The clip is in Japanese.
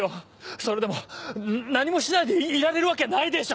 それでも何もしないでいられるわけないでしょ！